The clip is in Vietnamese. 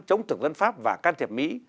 chống thực dân pháp và can thiệp mỹ